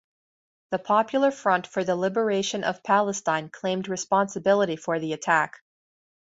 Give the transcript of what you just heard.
The Popular Front for the Liberation of Palestine claimed responsibility for the attack.